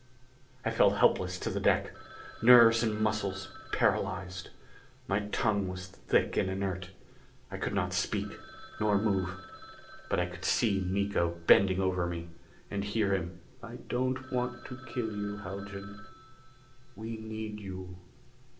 I fell helpless to the deck. Nerves and muscles paralyzed. My tongue was thick and inert. I could not speak, nor move. But I could see Miko bending over me, and hear him: "I don't want to kill you, Haljan. We need you."